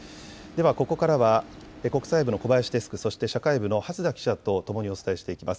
ここからは国際部の小林デスク、そして社会部の初田記者とともにお伝えしていきます。